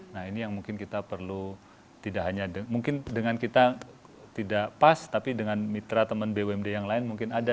nah ini yang mungkin kita perlu tidak hanya mungkin dengan kita tidak pas tapi dengan mitra teman bumd yang lain mungkin ada